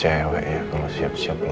cewek ya kalau siap siap ya